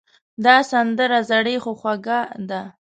دا سندره زړې خو خوږه ده.